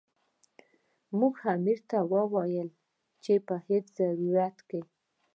موږ امیر ته وویل چې په هیڅ صورت کې.